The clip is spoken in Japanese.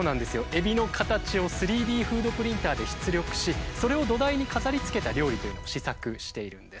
エビの形を３Ｄフードプリンターで出力しそれを土台に飾りつけた料理というのも試作しているんです。